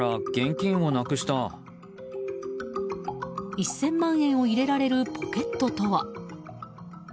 １０００万円を入れられるポケットとは。